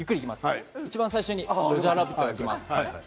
いちばん最初にロジャーラビットがきます。